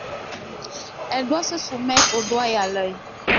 Elle doit se soumettre au doigt et à l'oeil.